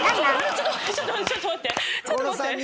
ちょっと待って。